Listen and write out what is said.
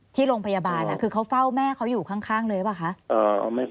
ที่โรงพยาบาลคือเขาเฝ้าแม่เขาอยู่ข้างเลยหรือเปล่าคะ